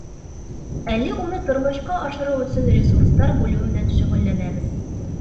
Әле уны тормошҡа ашырыу өсөн ресурстар бүлеү менән шөғөлләнәбеҙ.